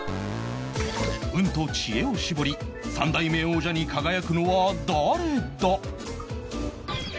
運と知恵を絞り３代目王者に輝くのは誰だ？